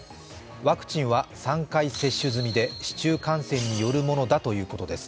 ワクチンは３回接種済みで市中感染によるものだということです。